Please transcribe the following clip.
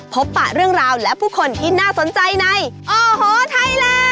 ปะเรื่องราวและผู้คนที่น่าสนใจในโอ้โหไทยแลนด